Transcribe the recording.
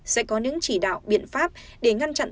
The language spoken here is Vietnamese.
sẽ có những chỉ đạo biện pháp để ngăn chặn